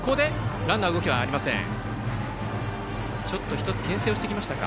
１つ、けん制をしてきましたか。